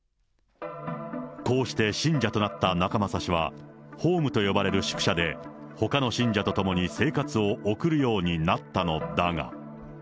こうして信者となった仲正氏は、ホームと呼ばれる宿舎で、ほかの信者と共に生活を送るようになったのだが。